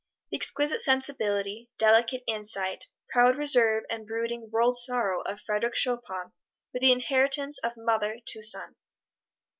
The exquisite sensibility, delicate insight, proud reserve and brooding world sorrow of Frederic Chopin were the inheritance of mother to son.